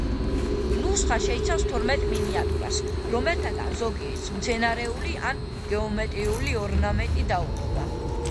ნუსხა შეიცავს თორმეტ მინიატიურას, რომელთაგან ზოგიერთს მცენარეული ან გეომეტრიული ორნამენტი დაუყვება.